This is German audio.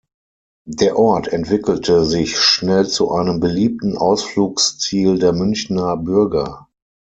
Der Ort entwickelte sich schnell zu einem beliebten Ausflugsziel der Münchner Bürger.